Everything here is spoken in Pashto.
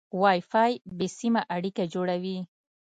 وای فای بې سیمه اړیکه جوړوي.